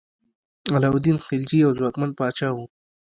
علاء الدین خلجي یو ځواکمن پاچا و.